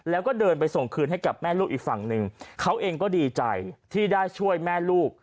แล้วก็เดินไปส่งคืนให้กับแม่ลูกอีกฝั่งหนึ่งเขาเองก็ดีใจที่ได้ช่วยแม่ลูก